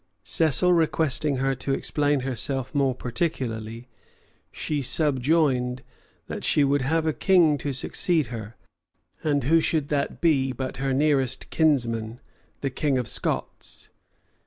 Cecil requesting her to explain herself more particularly, she subjoined, that she would have a king to succeed her; and who should that be but her nearest kinsman, the king of Scots?